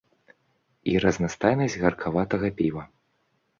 І разнастайнасць гаркаватага піва.